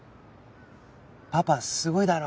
「パパすごいだろ！」